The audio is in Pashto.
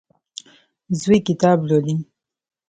زوی کتاب لولي.